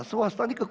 swasta ini kekuasaan